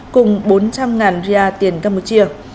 cùng bốn trăm linh ria tiền campuchia